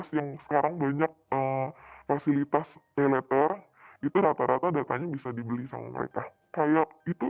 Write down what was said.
yang sekarang banyak fasilitas pay letter itu rata rata datanya bisa dibeli sama mereka kayak itu